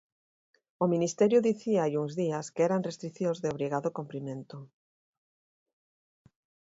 O Ministerio dicía hai uns días que eran restricións de obrigado cumprimento.